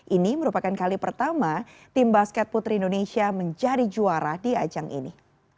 ini merupakan kali pertama tim basket putri indonesia menjadi juara di ajang ini